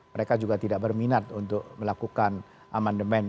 mereka juga tidak berminat untuk melakukan amandemen